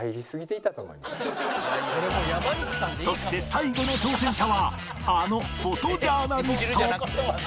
そして最後の挑戦者はあのフォトジャーナリスト